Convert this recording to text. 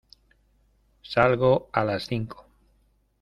Salgo a las cinco.